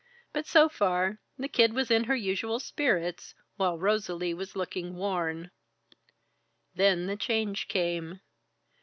But so far, the Kid was in her usual spirits, while Rosalie was looking worn. Then the change came.